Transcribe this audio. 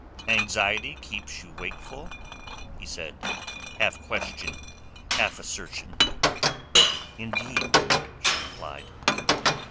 "Anxiety keeps you wakeful?" he said, half question, half assertion. "Indeed," she replied.